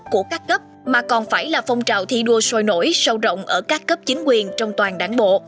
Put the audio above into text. của các cấp mà còn phải là phong trào thi đua sôi nổi sâu rộng ở các cấp chính quyền trong toàn đảng bộ